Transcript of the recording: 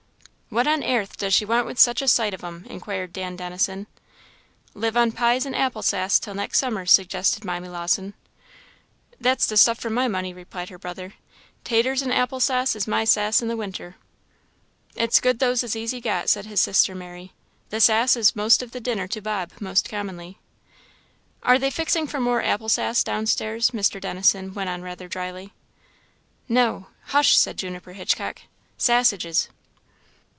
"What on airth does she want with such a sight of 'em," inquired Dan Dennison. "Live on pies and apple sass till next summer," suggested Mimy Lawson. "That's the stuff for my money!" replied her brother; "taters and apple sass is my sass in the winter." "It's good those is easy got," said his sister Mary; "the sass is the most of the dinner to Bob, most commonly." "Are they fixing for more apple sass down stairs?" Mr. Dennison went on rather drily. "No hush!" said Juniper Hitchcock "sassages!"